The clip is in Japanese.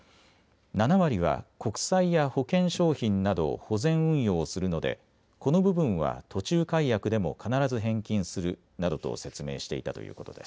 ７割は国債や保険商品など保全運用をするのでこの部分は途中解約でも必ず返金するなどと説明していたということです。